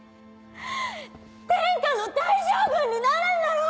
天下の大将軍になるんだろ